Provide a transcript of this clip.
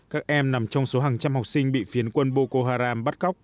các em nằm trong số hàng trăm học sinh bị phiến quân boko haram bắt cóc